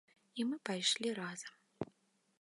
І мы пайшлі разам.